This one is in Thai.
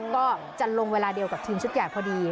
ก็จะลงเวลาเดียวกับทีมชุดใหญ่พอดี